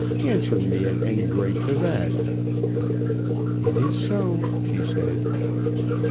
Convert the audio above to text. Answer me at any rate to that." "It is so," she said.